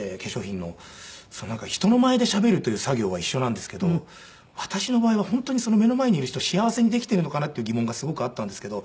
人の前でしゃべるという作業は一緒なんですけど私の場合は本当に目の前にいる人を幸せにできているのかなっていう疑問がすごくあったんですけど。